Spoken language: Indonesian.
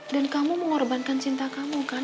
dan kamu mengorbankan cinta kamu kan